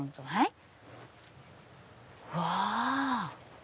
はい。